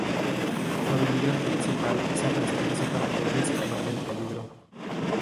Su habilidad principal es arrastrarse para poder escapar del peligro.